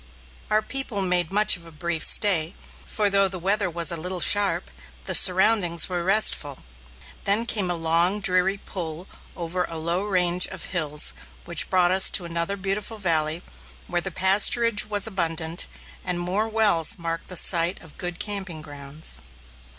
Our people made much of a brief stay, for though the weather was a little sharp, the surroundings were restful. Then came a long, dreary pull over a low range of hills, which brought us to another beautiful valley where the pasturage was abundant, and more wells marked the site of good camping grounds.